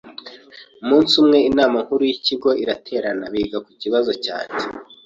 Umunsi umwe inama nkuru y’ikigo iraterana biga ku kibazo cyanjye